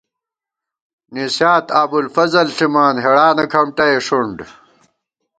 نسِیات ابوالفضل ݪِمان ہېڑانہ کھمٹَئےݭُنڈ